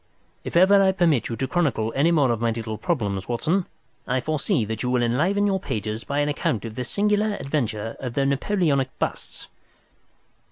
If ever I permit you to chronicle any more of my little problems, Watson, I foresee that you will enliven your pages by an account of the singular adventure of the Napoleonic busts."